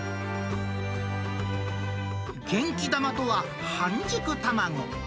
元気玉とは半熟卵。